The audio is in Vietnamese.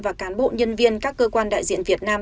và cán bộ nhân viên các cơ quan đại diện việt nam